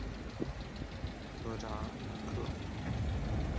科扎克。